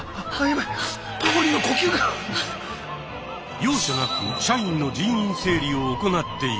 容赦なく社員の人員整理を行っていく。